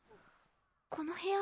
この部屋